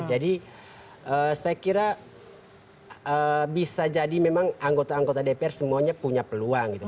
jadi saya kira bisa jadi memang anggota anggota dpr semuanya punya peluang gitu